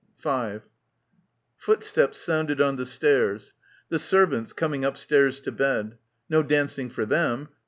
5 Footsteps sounded on the stairs — the servants, coming upstairs to bed. No dancing for them.